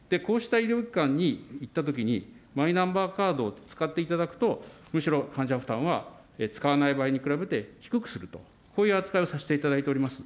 こうした医療機関に行ったときに、マイナンバーカードを使っていただくと、むしろ患者負担は、使わない場合に比べて低くすると、こういう扱いをさせていただいております。